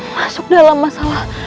masuk dalam masalah